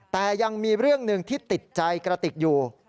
แต่ยังมีเรื่องหนึ่งที่ติดใจกระติกอยู่